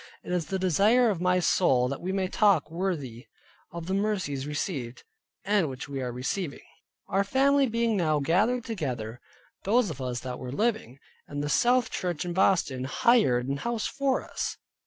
It is the desire of my soul that we may walk worthy of the mercies received, and which we are receiving. Our family being now gathered together (those of us that were living), the South Church in Boston hired an house for us.